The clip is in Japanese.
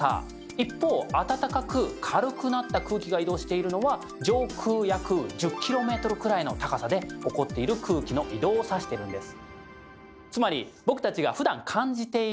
一方あたたかく軽くなった空気が移動しているのは上空約１０ｋｍくらいの高さで起こっている空気の移動を指してるんです。